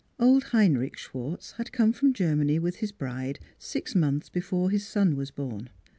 Old Heinrich Schwartz had come from Germany with his bride six months before his son was born.